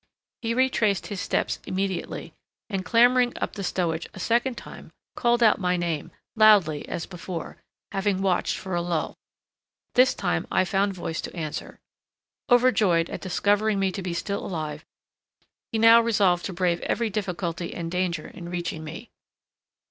He retraced his steps immediately, and, clambering up the stowage a second time, called out my name, loudly as before, having watched for a lull. This time I found voice to answer. Overjoyed at discovering me to be still alive, he now resolved to brave every difficulty and danger in reaching me.